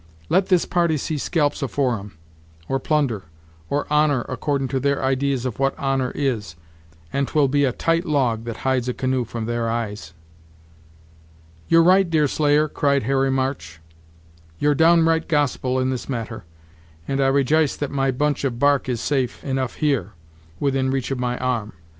Let this party see scalps afore 'em, or plunder, or honor accordin' to their idees of what honor is, and 't will be a tight log that hides a canoe from their eyes." "You're right, Deerslayer," cried Harry March; "you're downright Gospel in this matter, and I rej'ice that my bunch of bark is safe enough here, within reach of my arm.